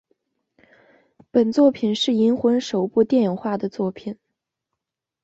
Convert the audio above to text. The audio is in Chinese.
本作品是银魂首部电影化的作品。